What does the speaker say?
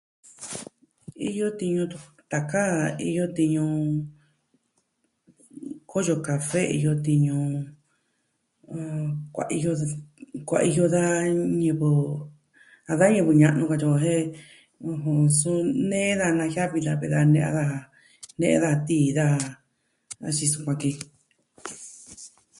Iyo tiñu tɨɨn ntaka, iyo tiñu... koyo kafe, iyo tiñu... m.... kuaiyo, kuaiyo da ñivɨ, a da ñivɨ ña'nu katyi o jen, suu, nee da najiavi daja ve a naa ja. Nee da tii, daja, axin sukuan ke.